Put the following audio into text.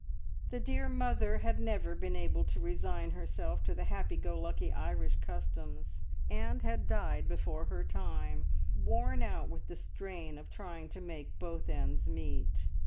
The dear mother had never been able to resign herself to the happy go lucky Irish customs, and had died before her time, worn out with the strain of trying to make both ends meet.